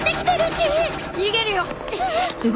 逃げるよ。